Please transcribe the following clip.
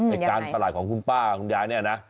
การประหลาดของคุณป้าคุณยายเนี่ยนะ